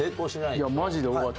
いやマジで尾形。